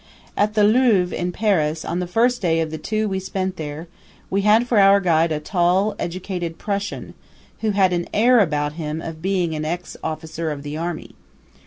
At the Louvre, in Paris, on the first day of the two we spent there, we had for our guide a tall, educated Prussian, who had an air about him of being an ex officer of the army.